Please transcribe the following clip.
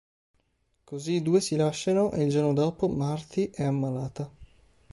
Così i due si lasciano e il giorno dopo Marthe è ammalata.